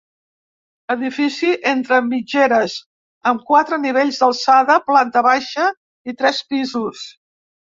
Edifici entre mitgeres, amb quatre nivells d'alçada, planta baixa i tres pisos.